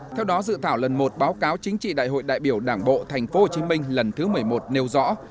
theo đó dự thảo lần một báo cáo chính trị đại hội đại biểu đảng bộ tp hcm lần thứ một mươi một nêu rõ